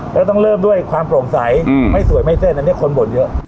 แล้วต้องเริ่มด้วยความโปร่งใสไม่สวยไม่เส้นอันนี้คนบ่นเยอะ